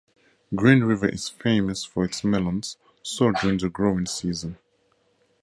Green River is famous for its melons, sold during the growing season.